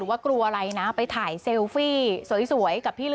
มาบ่อยด้วย